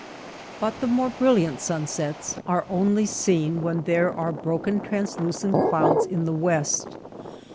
But the more brilliant sunsets are only seen when there are broken translucent clouds in the west.